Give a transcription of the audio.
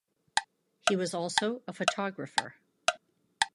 He was also a photographer.